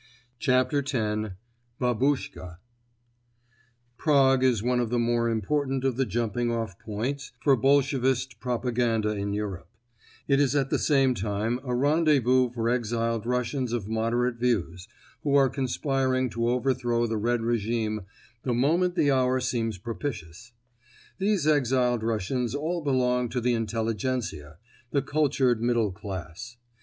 CHAPTER X—BABUSCHKA Prague is one of the more important of the jumping off points for Bolshevist propaganda in Europe; it is at the same time a rendezvous for exiled Russians of moderate views, who are conspiring to overthrow the Red regime the moment the hour seems propitious. These exiled Russians all belong to the Intelligencia—the cultured middle class.